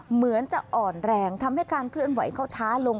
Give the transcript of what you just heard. เหมือนจะอ่อนแรงทำให้การเคลื่อนไหวเขาช้าลง